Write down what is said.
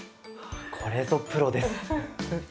これぞプロです！